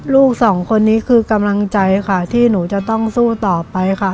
ลูกสองคนนี้คือกำลังใจค่ะที่หนูจะต้องสู้ต่อไปค่ะ